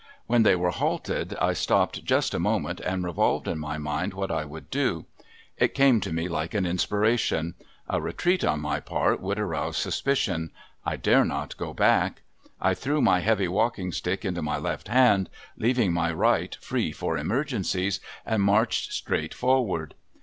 When they were halted I stopped just a moment and revolved in my mind what I would do. It came to me like an inspiration. A retreat on my part would arouse suspicion. I dare not go back. I threw my heavy walking stick into my left hand, leaving my right free for emergencies, and marched straight forward.